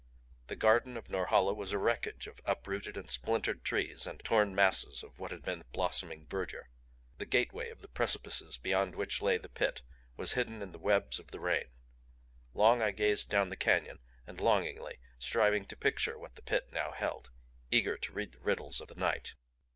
The garden of Norhala was a wreckage of uprooted and splintered trees and torn masses of what had been blossoming verdure. The gateway of the precipices beyond which lay the Pit was hidden in the webs of the rain. Long I gazed down the canyon and longingly; striving to picture what the Pit now held; eager to read the riddles of the night.